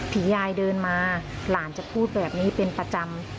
ผียายเดินมาหลานจะพูดแบบนี้เป็นประจำ